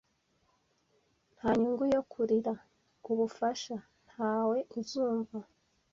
Nta nyungu yo kurira ubufasha. Ntawe uzumva